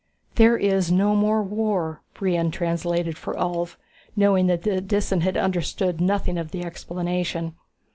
"There is no more war," Brion translated for Ulv, knowing that the Disan had understood nothing of the explanation.